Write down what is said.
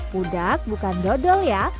pudak bukan dodol ya